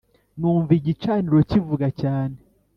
Numva igicaniro kivuga cyane